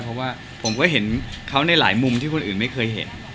เพราะว่าผมก็เห็นเขาในหลายมุมที่คนอื่นไม่เคยเห็น